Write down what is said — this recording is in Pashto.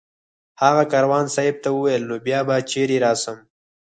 هغه کاروان صاحب ته وویل نو بیا به چېرې رسم